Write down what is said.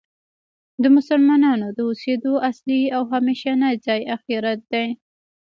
د مسلمانانو د اوسیدو اصلی او همیشنی ځای آخرت دی .